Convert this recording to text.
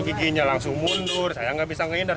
sebenarnya jumlahnya berapa pak